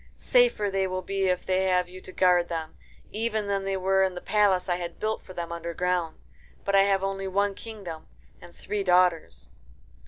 Safer they will be if they have you to guard them, even than they were in the palace I had built for them underground. But I have only one kingdom and three daughters."